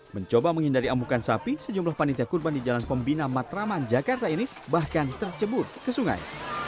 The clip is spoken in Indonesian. mencoba menghindari amukan sapi sejumlah panitia kurban di jalan pembina matraman jakarta ini bahkan tercebur ke sungai